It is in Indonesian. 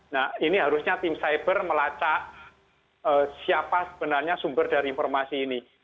nah ini harusnya tim cyber melacak siapa sebenarnya sumber dari informasi ini